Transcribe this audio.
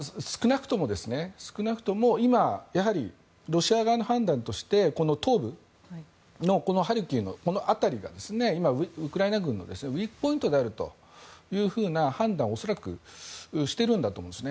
少なくとも今、ロシア側の判断として東部のハルキウのこの辺りが今、ウクライナ軍のウィークポイントであるという判断を恐らくしているんだと思うんです。